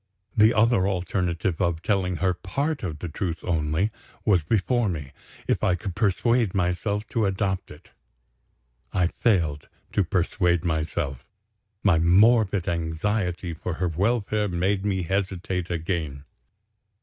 The other alternative of telling her part of the truth only was before me, if I could persuade myself to adopt it. I failed to persuade myself; my morbid anxiety for her welfare made me hesitate again.